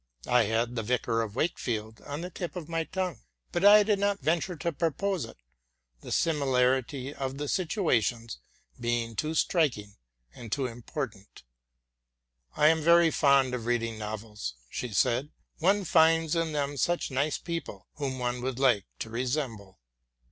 I had '* The Vicar of Wakefield '' on the tip of my tongue, but did not venture to propose it, the simi larity of the situations being too striking and too important. '*T am very fond of reading novels,'' she said: '* one finds in them such nice people, whom one would like to resemble."